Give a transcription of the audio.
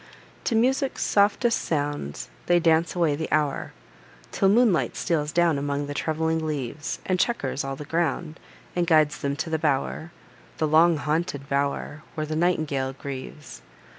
To music's softest sounds they dance away the hour, Till moonlight steals down among the trembling leaves, And checquers all the ground, and guides them to the bow'r, The long haunted bow'r, where the nightingale grieves.